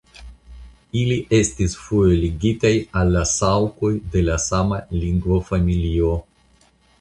Ili estis foje ligitaj al la Saŭkoj de la sama lingvofamilio.